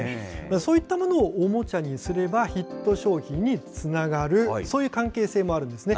そういったものをおもちゃにすれば、ヒット商品につながる、そういう関係性もあるんですね。